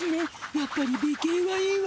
やっぱり美形はいいわ。